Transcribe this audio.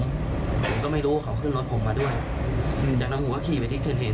ผมก็ไม่รู้ว่าเขาขึ้นรถผมมาด้วยจากนั้นผมก็ขี่ไปที่เกิดเหตุ